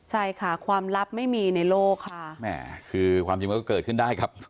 ใช่ค่ะความลับไม่มีในโลกค่ะแม่คือความจริงมันก็เกิดขึ้นได้ครับ